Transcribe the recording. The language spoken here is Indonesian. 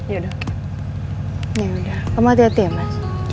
yaudah kamu hati hati ya mas